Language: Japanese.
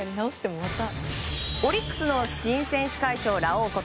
オリックスの新選手会長ラオウこと